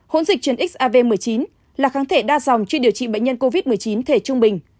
hỗn dịch chuyển x một mươi chín là kháng thể đa dòng khi điều trị bệnh nhân covid một mươi chín thể trung bình